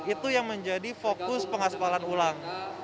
itu yang menjadi fokus pengaspalan ulang